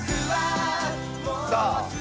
さあ